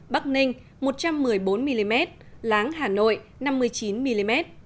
bắc ninh một trăm một mươi bốn mm láng hà nội năm mươi chín mm